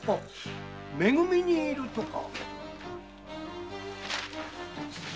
め組に居るとか。